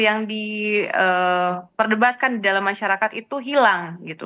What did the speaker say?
yang diperdebatkan di dalam masyarakat itu hilang gitu